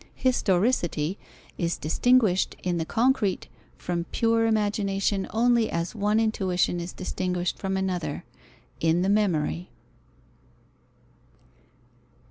Historicity is distinguished in the concrete from pure imagination only as one intuition is distinguished from another: in the memory.